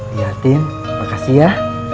iya tin makasih ya